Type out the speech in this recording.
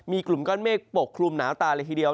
มีกลุ่มก้อนเมฆปกคลุมหนาวตาเลยทีเดียว